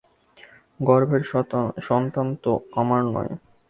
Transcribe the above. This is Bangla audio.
গর্ভের সন্তান তো আমার নয়।